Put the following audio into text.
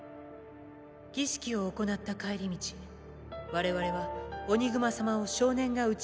儀式を行った帰り道我々はオニグマ様を少年が打ち破る